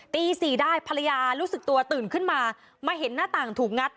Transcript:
ตี๔ได้ภรรยารู้สึกตัวตื่นขึ้นมามาเห็นหน้าต่างถูกงัด